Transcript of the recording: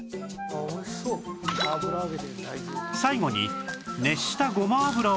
最後に